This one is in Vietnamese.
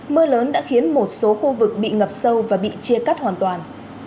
mưa lớn đã khiến một số khu vực bị ngập sâu và bị chia cắt hoàn toàn